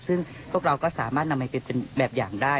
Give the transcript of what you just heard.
ซึ่งพวกเราก็สามารถนำไปเป็นแบบอย่างได้